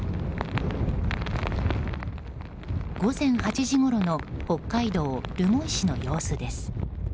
午前８時ごろの北海道留萌市の様子です。